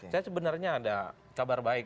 saya sebenarnya ada kabar baik